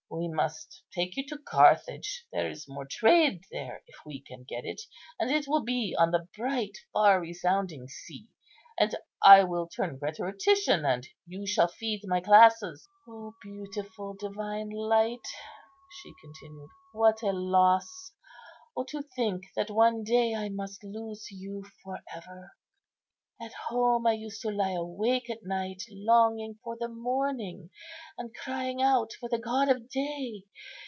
We must take you to Carthage; there is more trade there, if we can get it; and it will be on the bright, far resounding sea. And I will turn rhetorician, and you shall feed my classes." "O beautiful, divine light," she continued, "what a loss! O, to think that one day I must lose you for ever! At home I used to lie awake at night longing for the morning, and crying out for the god of day.